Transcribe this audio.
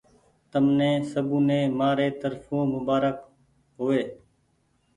تمني سبوني مآري ترڦو مبآرڪ هووي۔